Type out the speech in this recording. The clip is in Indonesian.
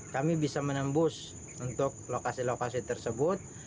kami bisa menembus untuk lokasi lokasi tersebut